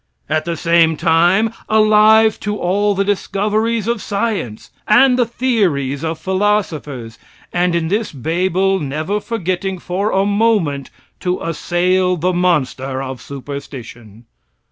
At the same time alive to all the discoveries of science and the theories of philosophers, and in this babel never forgetting for a moment to assail the monster of superstition.